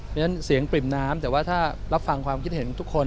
เพราะฉะนั้นเสียงปริ่มน้ำแต่ว่าถ้ารับฟังความคิดเห็นทุกคน